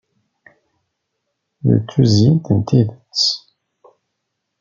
D tuzyint n tidet